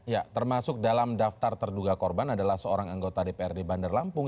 ya termasuk dalam daftar terduga korban adalah seorang anggota dprd bandar lampung